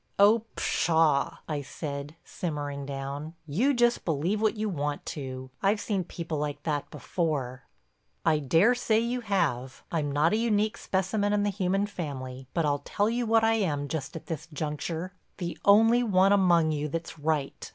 "Oh, pshaw!" I said, simmering down, "you just believe what you want to. I've seen people like that before." "I daresay you have, I'm not a unique specimen in the human family. But I'll tell you what I am just at this juncture—the only one among you that's right."